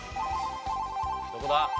どこだ？